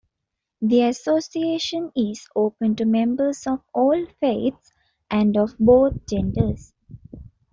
The association is open to members of all faiths and of both genders.